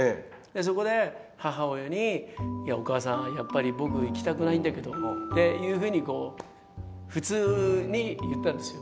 そこで母親に「いやお母さんやっぱり僕行きたくないんだけど」っていうふうに普通に言ったんですよ。